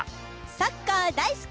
サッカー大好き！